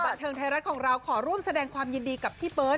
บันเทิงไทยรัฐของเราขอร่วมแสดงความยินดีกับพี่เบิร์ต